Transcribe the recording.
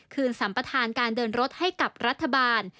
สัมประธานการเดินรถให้กับรัฐบาล